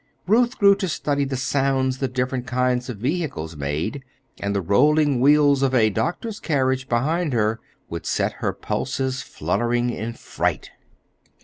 Ruth grew to study the sounds the different kinds of vehicles made; and the rolling wheels of a doctor's carriage behind her would set her pulses fluttering in fright.